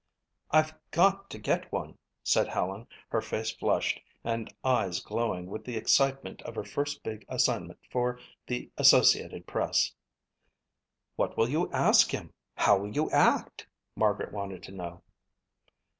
"I've got to get one," said Helen, her face flushed and eyes glowing with the excitement of her first big assignment for the Associated Press. "What will you ask him? How will you act?" Margaret wanted to know.